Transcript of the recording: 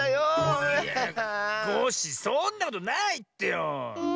コッシーそんなことないってよ！